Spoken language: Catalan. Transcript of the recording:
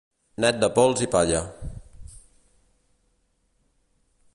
Net de pols i palla.